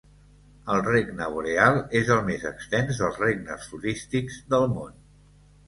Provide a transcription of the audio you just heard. El regne Boreal és el més extens dels regnes florístics del món.